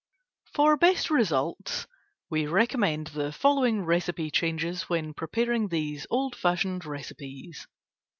For best results, we recommend the following recipe changes when preparing these old fashioned recipes.